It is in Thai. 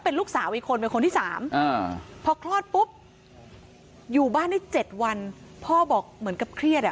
พอคลอดปุ๊บอยู่บ้านได้๗วันพ่อบอกเหมือนกับเครียดอ่ะ